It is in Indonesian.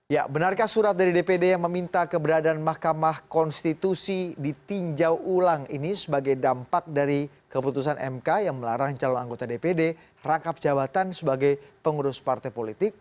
ya benarkah surat dari dpd yang meminta keberadaan mahkamah konstitusi ditinjau ulang ini sebagai dampak dari keputusan mk yang melarang calon anggota dpd rangkap jabatan sebagai pengurus partai politik